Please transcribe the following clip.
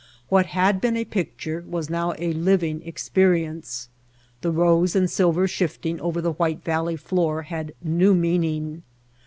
What had been a picture was now a living ex perience. The rose and silver shifting over the white valley floor had new meaning.